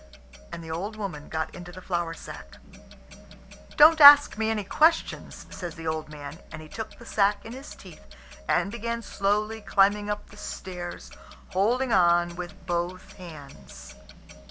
And the old woman got into the flour sack. "Don't ask me any questions," says the old man; and he took the sack in his teeth and began slowly climbing up the stairs, holding on with both hands.